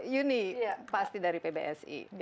yuni pasti dari pbsi